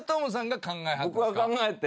僕が考えて。